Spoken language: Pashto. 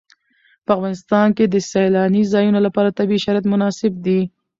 په افغانستان کې د سیلانی ځایونه لپاره طبیعي شرایط مناسب دي.